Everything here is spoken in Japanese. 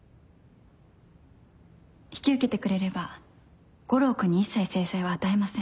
引き受けてくれれば悟郎君に一切制裁は与えません